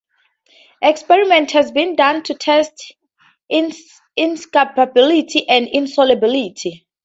Experiments have been done to test inescapability and insolubility.